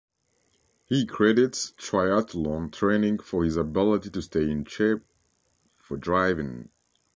He credits triathlon training for his ability to stay in shape for driving.